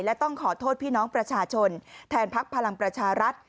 และต้องขอโทษพี่น้องประชาชนแทนพักพลังประชารัฐ